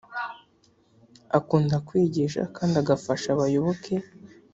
akunda kwigisha kandi agafasha abayoboke.